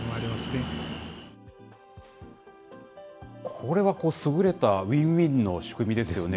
これは優れたウィンウィンの仕組みですよね。